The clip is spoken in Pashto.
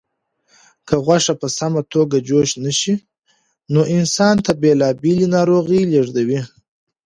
که غوښه په سمه توګه جوش نشي نو انسان ته بېلابېلې ناروغۍ لېږدوي.